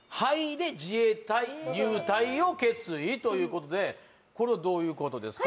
で自衛隊入隊を決意ということでこれはどういうことですか？